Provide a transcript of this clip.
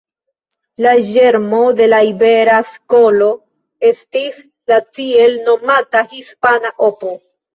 La ĝermo de la Ibera Skolo estis la tiel nomata Hispana Opo.